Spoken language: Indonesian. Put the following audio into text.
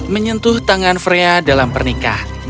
menyentuh tangan frea dalam pernikahan